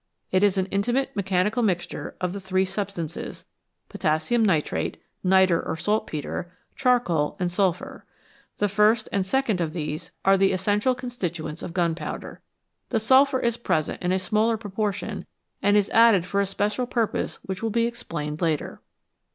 It is an intimate mechanical mixture of the three substances potassium nitrate (nitre or saltpetre), charcoal, and sulphur. The first and second of these are the essential constituents of gunpowder ; the sulphur is present in a smaller pro portion, and is added for a special purpose which will be explained later.